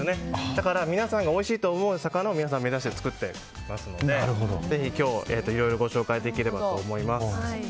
だから皆さんがおいしいと思う魚を皆さん、目指して作ってますのでぜひ今日いろいろご紹介できればと思います。